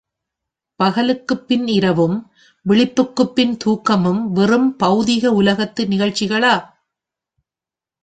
பகலுக்குப் பின் இரவும், விழிப்புக்குப் பின் தூக்கமும் வெறும் பெளதிக உலகத்து நிகழ்ச்சிகளா?